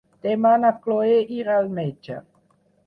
Demà na Chloé irà al metge.